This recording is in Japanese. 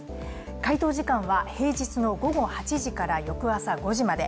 回答時間は平日の午後８時から翌朝５時まで。